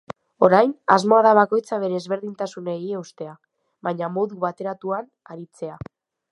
Orain, asmoa da bakoitzak bere ezberdintasunei eustea, baina modu bateratuan aritzea.